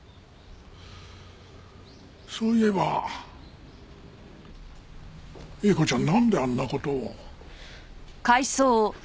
そういえば英子ちゃんなんであんな事を。